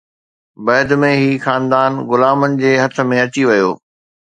بعد ۾ هي خاندان غلامن جي هٿ ۾ اچي ويو